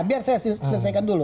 biar saya selesaikan dulu